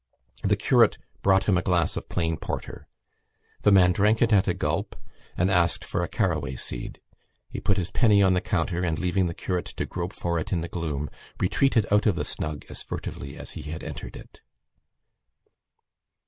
The curate brought him a glass of plain porter. The man drank it at a gulp and asked for a caraway seed. He put his penny on the counter and, leaving the curate to grope for it in the gloom, retreated out of the snug as furtively as he had entered it.